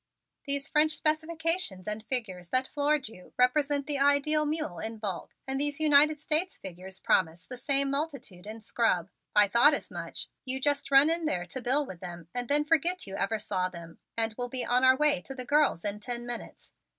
"These French specifications and figures that floored you, represent the ideal mule in bulk and these United States figures promise the same multitude in scrub. I thought as much. You just run in there to Bill with them and then forget you ever saw them, and we'll be on our way to the girls in ten minutes.